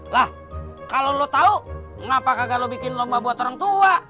lah kalau lo tau ngapa kakak lo bikin lomba buat orang tua